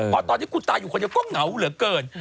เพราะตอนที่กูตายอยู่คนอีกก็เหงาเหลือเกิน